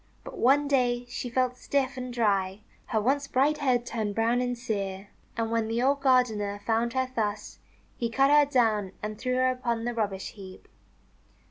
But one day she felt stiff and dry. Her once bright head turned brown and sere. And when the old gardener found her thus, he cut her down and threw her upon the rubbish heap.